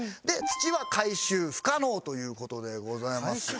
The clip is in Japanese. で土は回収不可能という事でございます。